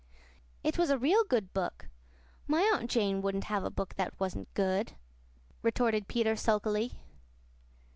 "It was a real good book. My Aunt Jane wouldn't have a book that wasn't good," retorted Peter sulkily.